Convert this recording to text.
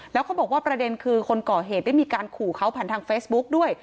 แล้วเขาบอกว่าประเด็นคือคนก่อเหตุได้มีการขู่เขาผ่านทางเฟซบุ๊กด้วย